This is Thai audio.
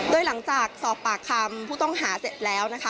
โดยหลังจากสอบปากคำผู้ต้องหาเสร็จแล้วนะคะ